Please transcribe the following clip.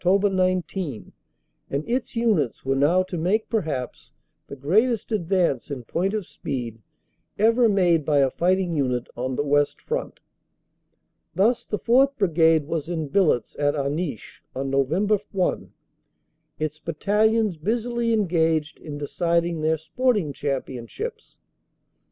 19 and its units were now to make perhaps the greatest ad vance in point of speed ever made by a fighting unit on the West Front. Thus the 4th. Brigade was in billets at Aniche on Nov. 1, its Battalions busily engaged in deciding their sport ing championships.